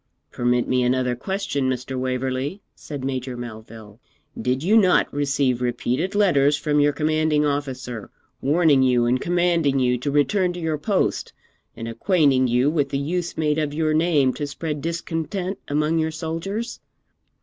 'Permit me another question, Mr. Waverley,' said Major Melville. 'Did you not receive repeated letters from your commanding officer, warning you and commanding you to return to your post, and acquainting you with the use made of your name to spread discontent among your soldiers?'